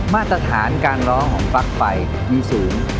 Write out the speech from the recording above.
มาตรฐานการร้องของปลั๊กไฟมีสูง